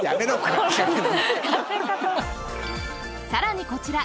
［さらにこちら］